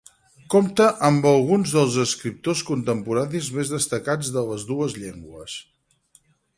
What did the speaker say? Compta amb alguns dels escriptors contemporanis més destacats de les dues llengües.